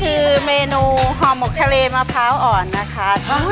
คือเมนูห่อหมกทะเลมะพร้าวอ่อนนะคะ